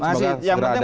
semoga segera ada